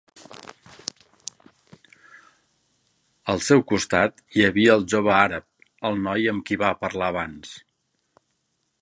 Al seu costat hi havia el jove àrab, el noi amb qui va parlar abans.